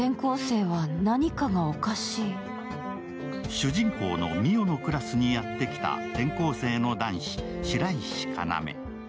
主人公の澪のクラスにやってきた転校生の男子・白石要。